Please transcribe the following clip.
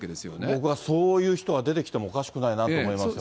僕はそういう人が出てきてもおかしくないなと思いましたね。